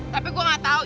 tapi saya tidak tahu